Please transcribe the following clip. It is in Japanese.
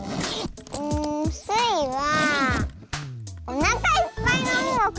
んスイはおなかいっぱいの「ん」をかく。